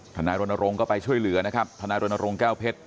นายรณรงค์ก็ไปช่วยเหลือนะครับทนายรณรงค์แก้วเพชร